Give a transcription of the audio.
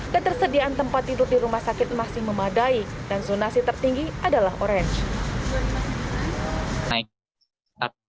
ketersediaan tempat tidur di rumah sakit masih memadai dan zonasi tertinggi adalah orange